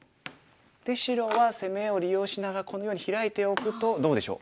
で白は攻めを利用しながらこのようにヒラいておくとどうでしょう？